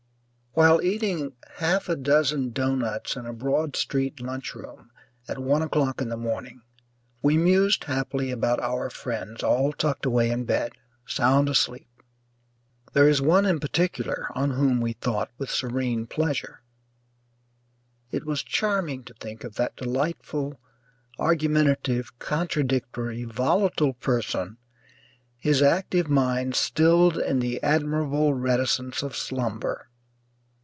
While eating half a dozen doughnuts in a Broad Street lunchroom at one o'clock in the morning, we mused happily about our friends all tucked away in bed, sound asleep. There is one in particular on whom we thought with serene pleasure. It was charming to think of that delightful, argumentative, contradictory, volatile person, his active mind stilled in the admirable reticence of slumber.